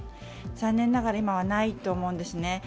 残念ながら今はないと思うんですね。